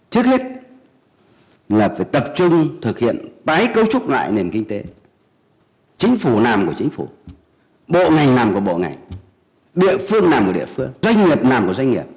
trước hết là phải tập trung thực hiện tái cấu trúc lại nền kinh tế chính phủ nằm của chính phủ bộ ngành nằm của bộ ngành địa phương nằm của địa phương doanh nghiệp nằm của doanh nghiệp